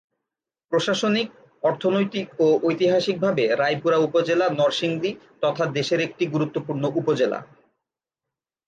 প্রশাসনিক, অর্থনৈতিক ও ঐতিহাসিকভাবে রায়পুরা উপজেলা নরসিংদী তথা দেশের একটি গুরুত্বপূর্ণ উপজেলা।